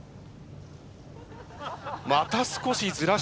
また少しずらした。